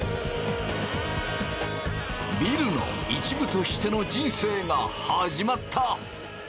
ビルの一部としての人生が始まった。